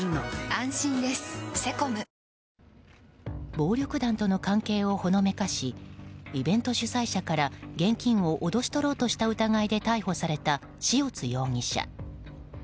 暴力団との関係をほのめかしイベント主催者から現金を脅し取ろうとした疑いで逮捕された、塩津容疑者。